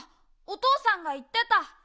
おとうさんがいってた。